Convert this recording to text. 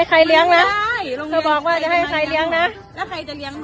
ไม่ได้โรงเรียนจะบอกว่าจะให้ใครเลี้ยงนะแล้วใครจะเลี้ยงหน่อ